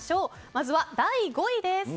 まずは第５位です。